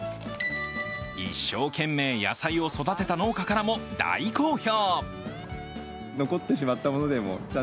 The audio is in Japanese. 一生懸命、野菜を育てた農家からも大好評。